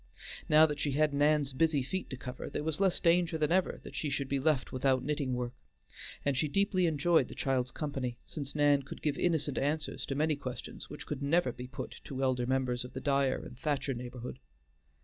Now that she had Nan's busy feet to cover, there was less danger than ever that she should be left without knitting work, and she deeply enjoyed the child's company, since Nan could give innocent answers to many questions which could never be put to elder members of the Dyer and Thacher neighborhood.